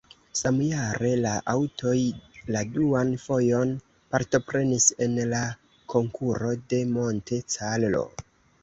Samjare la aŭtoj la duan fojon partoprenis en la Konkuro de Monte Carlo.